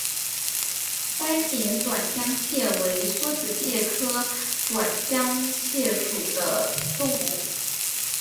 斑点短浆蟹为梭子蟹科短浆蟹属的动物。